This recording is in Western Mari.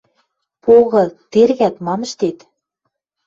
Погы... Тергӓт, мам ӹштет...